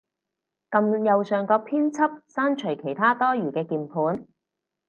撳右上角編輯，刪除其它多餘嘅鍵盤